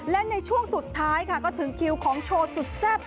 และในช่วงสุดท้ายค่ะก็ถึงคิวของโชว์สุดแซ่บ